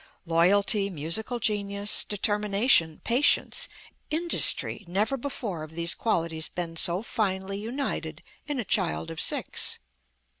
Loyalty, musical genius, determination, patience, industry never before have these qualities been so finely united in a child of six.